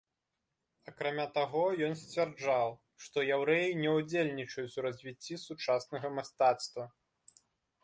Акрамя таго, ён сцвярджаў, што яўрэі не ўдзельнічаюць у развіцці сучаснага мастацтва.